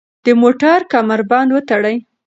د موټر کمربند وتړئ.